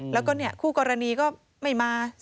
แล้วก็คู่กรณีก็ไม่มา